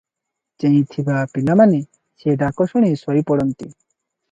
ଚେଇଁଥିବା ପିଲା ମାନେ ସେ ଡାକଶୁଣି ଶୋଇପଡ଼ନ୍ତି ।